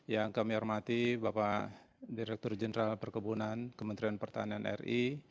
yang kami hormati bapak direktur jenderal perkebunan kementerian pertanian ri